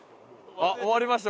あっ終わりました